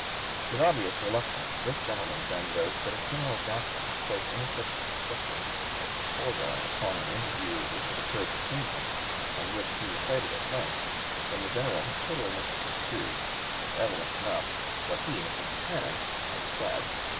With obvious reluctance this gentleman then wrote that if General Jackson had placed any such construction as the foregoing upon an interview which had occurred between them, and which he recited at length, then the General had totally misconstrued as was evident enough what he, Mr. Buchanan, had said.